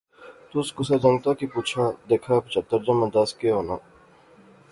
تس کسا جنگتا کی پُچھا دیکھا پچہتر جمع دس کے ہونا